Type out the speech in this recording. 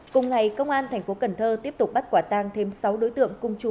cùng ngày công an thành phố cần thơ tiếp tục bắt quả tang thêm sáu đối tượng cùng chú